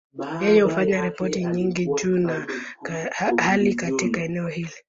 Yeye hufanya ripoti nyingi juu ya hali katika eneo hili.